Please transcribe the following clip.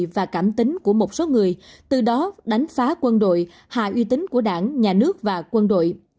và cảm tính của một số người từ đó đánh phá quân đội hạ uy tín của đảng nhà nước và quân đội